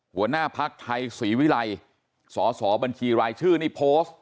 หัวหน้าภักดิ์ไทยศรีวิรัยสอสอบัญชีรายชื่อนี่โพสต์